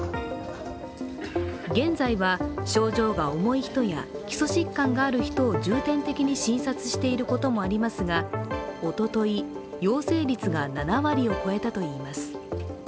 現在は症状が重い人や基礎疾患のある人を重点的に診察していることもありますが、おととい、陽性率が７割を超えたといいます。